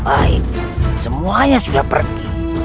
aku harus membantu dia